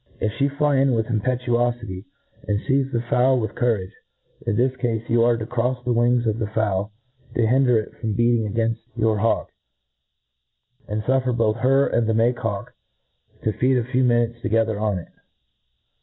If {he fly in with impetuofity, and feize the fowl with cou^ rage, in this cafe, you are to crofs the wings of the fowl to hinder it from beatitig againfl your hawk, and fuflfer both her and the make hawk to feed a few minutes together on it.